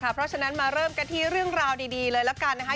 เพราะฉะนั้นมาเริ่มกันที่เรื่องราวดีเลยแล้วกันนะคะ